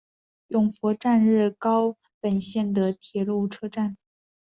勇拂站日高本线的铁路车站。